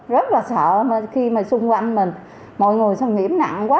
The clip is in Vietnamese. rất là sợ khi mà xung quanh mình mọi người xâm nhiễm nặng quá